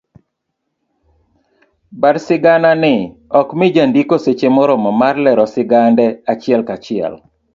Bad sigana ni okmii jandiko seche moromo mar lero sigande achiel kachiel.